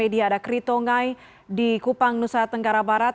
dia ada krito ngai di kupang nusa tenggara barat